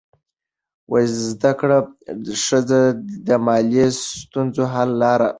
زده کړه ښځه د مالي ستونزو حل لاره لټوي.